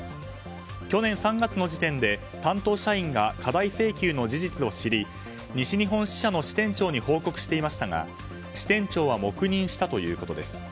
去年３月の時点で担当社員が過大請求の事実を知り西日本支社の支店長に報告していましたが支店長は黙認したということです。